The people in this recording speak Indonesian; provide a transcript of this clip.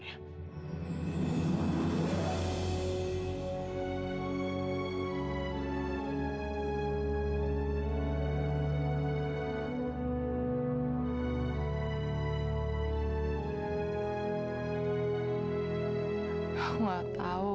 aku gak tau